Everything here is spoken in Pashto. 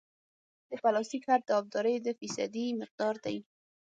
د پلاستیک حد د ابدارۍ د فیصدي مقدار دی